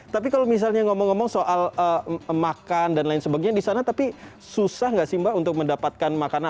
tapi kalau misalnya ngomong ngomong soal makan dan lain sebagainya di sana tapi susah nggak sih mbak untuk mendapatkan makanan